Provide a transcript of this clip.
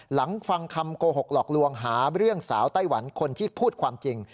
หลังฟังคำโกหกหลอกลวงหาเรื่องสาวไต้หวันคนที่พูดความจริง